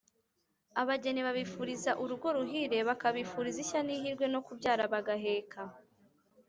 Abageni babifuriza urugo ruhire bakabifuriza ishya n’ihirwe no kubyara bagaheka